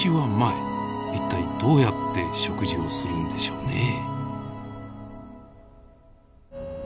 一体どうやって食事をするんでしょうねえ？